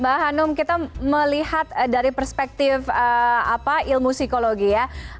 mbak hanum kita melihat dari perspektif ilmu psikologi ya